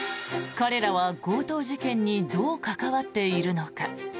彼らは強盗事件にどう関わっているのか。